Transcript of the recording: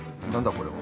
これは。